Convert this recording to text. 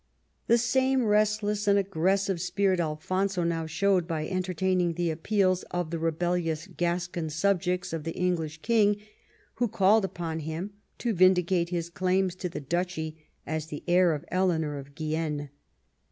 The same restless and aggressive spirit Alfonso now showed by entertaining the appeals of the rebellious Gascon subjects of the English King, who called upon him to vindicate his claims to the duchy as the heir of Eleanor of Guienne.